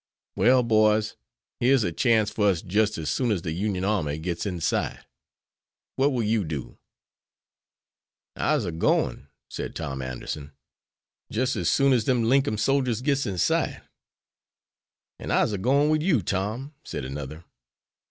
Well, boys, here's a chance for us just as soon as the Union army gets in sight. What will you do?" "I'se a goin," said Tom Anderson, "jis' as soon as dem Linkum soldiers gits in sight." "An' I'se a gwine wid you, Tom," said another.